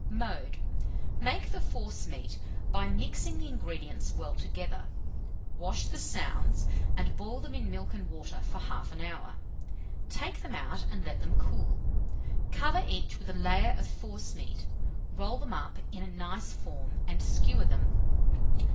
Mode. Make the forcemeat by mixing the ingredients well together. Wash the sounds, and boil them in milk and water for 1/2 an hour; take them out and let them cool. Cover each with a layer of forcemeat, roll them up in a nice form, and skewer them.